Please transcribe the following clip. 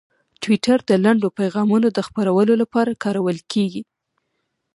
ټویټر د لنډو پیغامونو د خپرولو لپاره کارول کېږي.